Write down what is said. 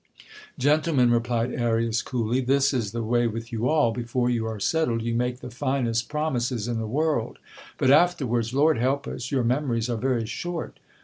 Gentlemen, replied Arias coolly, this is the way with you all ; before you are settled, you make the finest promises in the world : but afterwards, Lord help us ! your memories are very short.